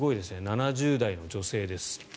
７０代の女性です。